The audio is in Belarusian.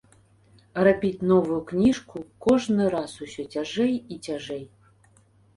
А рабіць новую кніжку кожны раз усё цяжэй і цяжэй.